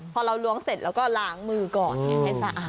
พอเราล้วงเสร็จเราก็ล้างมือก่อนให้สะอาด